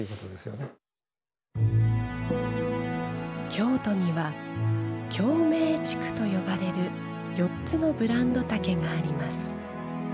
京都には京銘竹と呼ばれる４つのブランド竹があります。